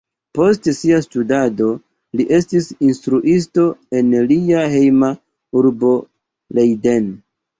Post sia studado, li estis instruisto en lia hejma urbo Leiden.